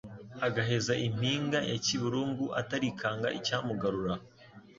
Agaheza impinga ya KiburunguAtarikanga icyamugarura